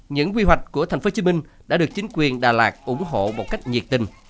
những quy hoạch của tp hcm đã được chính quyền đà lạt ủng hộ một cách nhiệt tình